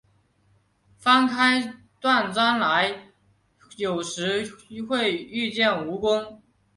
翻开断砖来，有时会遇见蜈蚣